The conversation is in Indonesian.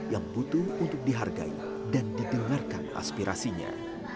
yang butuh untuk dihargai dan didengarkan aspirasinya